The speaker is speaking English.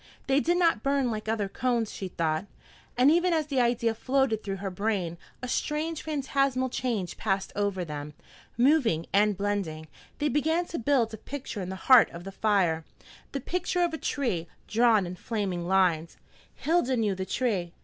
They did not burn like other cones, she thought, and even as the idea floated through her brain, a strange, phantasmal change passed over them. Moving and blending, they began to build a picture in the heart of the fire, the picture of a tree, drawn in flaming lines. Hilda knew the tree.